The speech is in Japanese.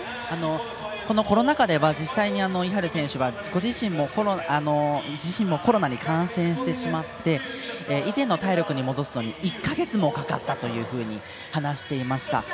このコロナ禍では実際にイハル選手はご自身もコロナに感染してしまって以前の体力に戻すのに１か月もかかったと話していました。